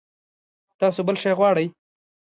تاسو بل شی غواړئ؟